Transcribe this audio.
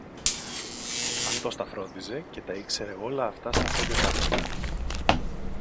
Αυτός τα φρόντιζε και τα ήξερε όλα αυτά στα πέντε δάχτυλα!